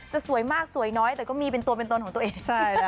สวยมากสวยน้อยแต่ก็มีเป็นตัวเป็นตนของตัวเอง